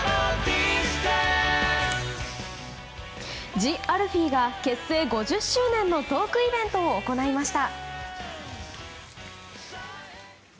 ＴＨＥＡＬＦＥＥが結成５０周年のトークイベントを行いました。